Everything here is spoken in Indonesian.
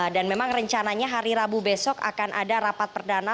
dan memang rencananya hari rabu besok akan ada rapat perdana